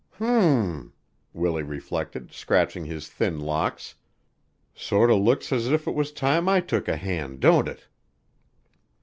"H m!" Willie reflected, scratching his thin locks. "Sorter looks as if it was time I took a hand, don't it?"